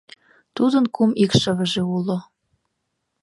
Тудын кум икшывыже уло.